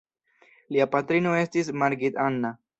Lia patrino estis Margit Anna.